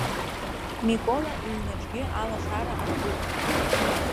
Микола иҩнаҿгьы алашара аркуп.